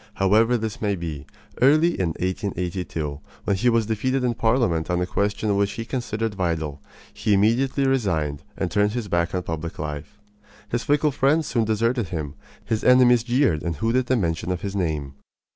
However this may be, early in 1882, when he was defeated in Parliament on a question which he considered vital, he immediately resigned and turned his back on public life. His fickle friends soon deserted him. His enemies jeered and hooted the mention of his name.